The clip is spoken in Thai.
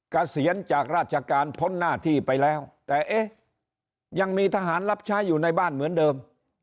เกษียณจากราชการพ้นหน้าที่ไปแล้วแต่เอ๊ะยังมีทหารรับใช้อยู่ในบ้านเหมือนเดิม